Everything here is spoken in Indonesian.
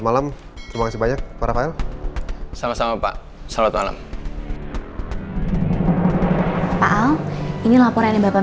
tapi aku kerja sama sekolah